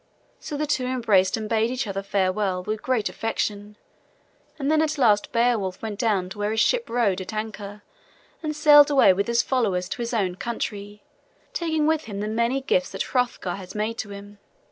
So the two embraced and bade each other farewell with great affection, and then at last Beowulf went down to where his ship rode at anchor and sailed away with his followers to his own country, taking with him the many gifts that Hrothgar had made to him.